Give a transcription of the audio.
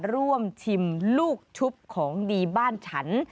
ร่วมชิมลูกชุบของดีบ้านฉัน